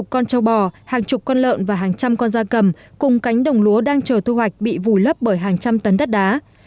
một con trâu bò hàng chục con lợn và hàng trăm con da cầm cùng cánh đồng lúa đang chờ thu hoạch bị vùi lấp bởi hàng trăm tấn đất đá